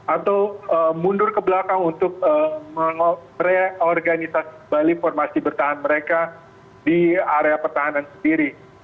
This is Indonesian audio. atau mundur ke belakang untuk mereorganisasi bali formasi bertahan mereka di area pertahanan sendiri